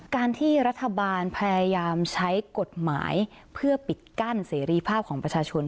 การที่รัฐบาลพยายามใช้กฎหมายเพื่อปิดกั้นเสรีภาพของประชาชน